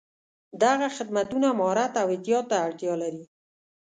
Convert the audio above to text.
دغه خدمتونه مهارت او احتیاط ته اړتیا لري.